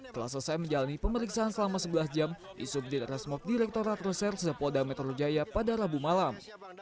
telah selesai menjalani pemeriksaan selama sebelas jam di subdit resmok direkturat reserse polda metro jaya pada rabu malam